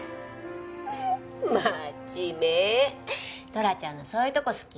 トラちゃんのそういうとこ好き。